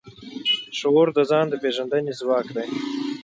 شعور د ځان د پېژندنې ځواک دی.